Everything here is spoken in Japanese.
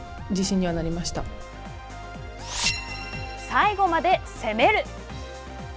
最後まで攻める！